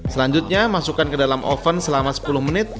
selanjutnya masukkan ke dalam oven selama sepuluh menit